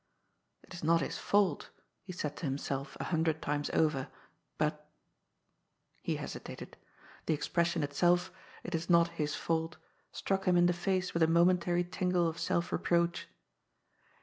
" It is not his fault,'' he said to himself a hundred times oyer; "but " He hesitated. The expression itself, "it is not his fault," struck him in the face with a momentary tingle of self reproach.